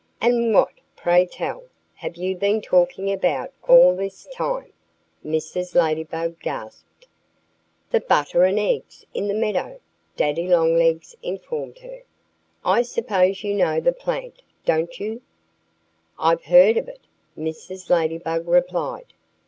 "And what, pray tell, have you been talking about all this time?" Mrs. Ladybug gasped. "The butter and eggs in the meadow!" Daddy Longlegs informed her. "I suppose you know the plant, don't you?" "I've heard of it," Mrs. Ladybug replied.